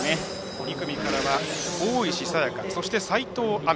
２組からは大石沙也加、そして齋藤愛美。